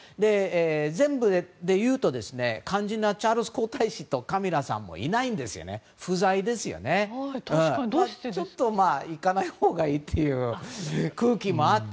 全部でいうと肝心なチャールズ皇太子とカミラさんもいないんですがちょっと行かないほうがいいという空気もあって。